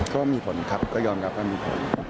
ก็มีผลครับก็ยอมรับว่ามีผล